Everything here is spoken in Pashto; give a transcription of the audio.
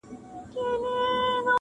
دا سپیره هــوا بۀ د چا څۀ اوکـــــړي